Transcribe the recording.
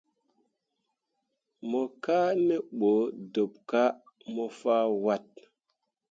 Mo kaa ne ɓu deb kah mo fah wat.